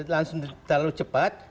langsung terlalu cepat